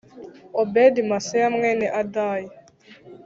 Obedi Maseya mwene Adaya